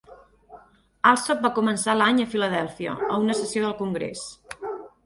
Alsop va començar l'any a Filadèlfia, a una sessió del Congrés.